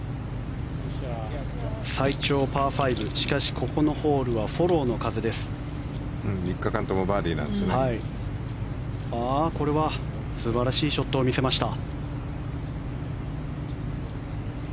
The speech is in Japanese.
最長パー５しかしここのホールは３日間ともこれは素晴らしいショットを見せました。